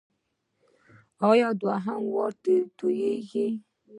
ایا دوهم وار توییږي؟